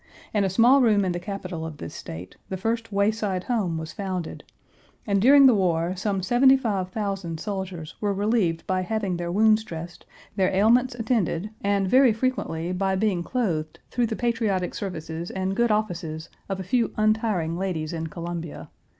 In a small room in the capital of this State, the first Wayside Home was founded; and during the war, some seventy five thousand soldiers were relieved by having their wounds dressed, their ailments attended, and very frequently by being clothed through the patriotic services and good offices of a few untiring ladies in Columbia.